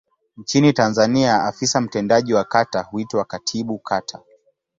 Nchini Tanzania afisa mtendaji wa kata huitwa Katibu Kata.